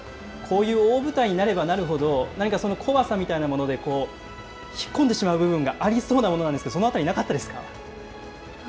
こういう大舞台になればなるほど、何か怖さみたいなもので引っ込んでしまう部分がありそうなものなんですけれども、そのあたりなかったですか？